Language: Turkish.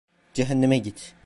Cehenneme git.